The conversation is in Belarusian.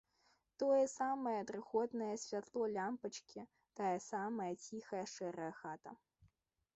Тое самае дрыготнае святло лямпачкі, тая самая ціхая шэрая хата.